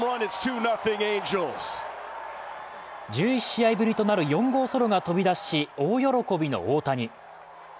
１１試合ぶりとなる４号ソロが飛び出し、大喜びの大谷。